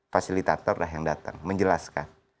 fasilitator lah yang datang menjelaskan